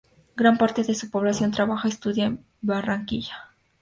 Gran parte su población trabaja y estudia en Barranquilla.